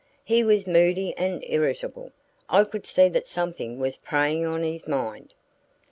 "He was moody and irritable. I could see that something was preying on his mind."